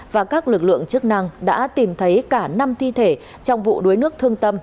và các lực lượng chức năng đã tìm thấy cả năm ti thể trong vụ đối nước thương tâm